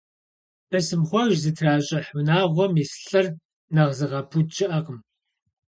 Бысымхъуэж зытращӏыхь унагъуэм ис лӏыр нэхъ зыгъэпуд щыӏэкъым.